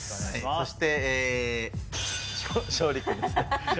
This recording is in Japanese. そして昇利君ですね